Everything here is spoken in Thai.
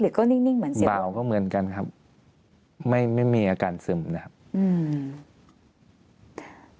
ก็นิ่งเหมือนเสียงเบาก็เหมือนกันครับไม่ไม่มีอาการซึมนะครับอืม